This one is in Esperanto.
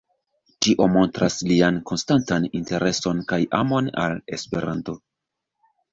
Tio montras lian konstantan intereson kaj amon al Esperanto.